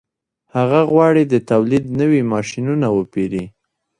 هغه غواړي د تولید نوي ماشینونه وپېري